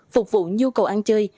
phục vụ nhu cầu ăn chơi